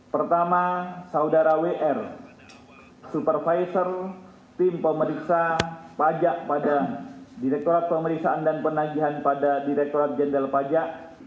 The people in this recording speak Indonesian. pertama saudara wr supervisor tim pemeriksa pajak pada direktorat pemeriksaan dan penagihan pada direkturat jenderal pajak